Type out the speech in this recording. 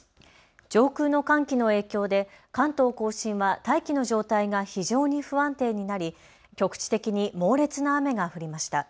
上空の寒気の影響で関東甲信は大気の状態が非常に不安定になり局地的に猛烈な雨が降りました。